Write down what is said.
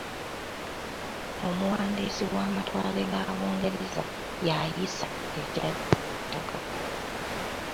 Omuwandiisi w’amatwale ga Bungereza yayisa ekiragiro ku ttaka.